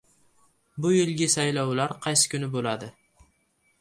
Bu yilgi saylovlar qaysi kuni bo‘ladi?